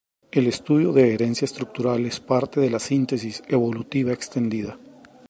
El estudio de herencia estructural, es parte de la síntesis evolutiva extendida.